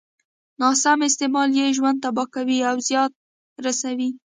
ناسم استعمال يې ژوند تباه کوي او زيان رسوي.